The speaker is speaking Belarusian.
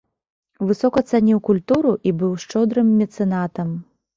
Высока цаніў культуру і быў шчодрым мецэнатам.